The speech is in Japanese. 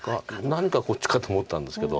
何かこっちかと思ったんですけど。